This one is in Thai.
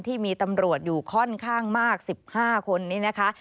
ที่มีตำรวจอยู่ค่อนข้างมาก๑๕คนนี้นะคะ